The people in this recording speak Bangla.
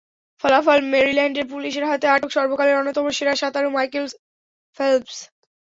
ফলাফল, মেরিল্যান্ডের পুলিশের হাতে আটক সর্বকালের অন্যতম সেরা সাঁতারু মাইকেল ফেল্প্স।